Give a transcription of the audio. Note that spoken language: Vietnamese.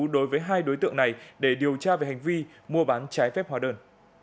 đối với hai đối tượng này để điều tra về hành vi mua bán trái phép hóa đơn